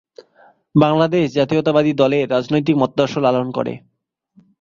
বাংলাদেশ জাতীয়তাবাদী দলের রাজনৈতিক মতাদর্শ লালন করে।